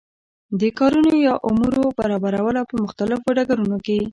د کارونو یا امورو برابرول او په مختلفو ډګرونو کی